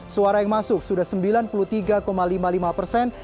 suara yang masuk sudah sembilan puluh tiga lima puluh lima persen